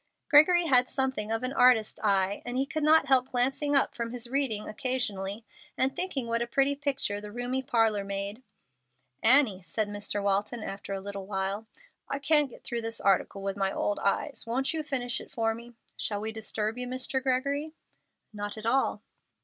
Gregory had something of an artist's eye, and he could not help glancing up from his reading occasionally, and thinking what a pretty picture the roomy parlor made. "Annie," said Mr. Walton, after a little while, "I can't get through this article with my old eyes. Won't you finish it for me? Shall we disturb you, Mr. Gregory?" "Not at all."